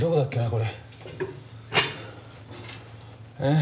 これ。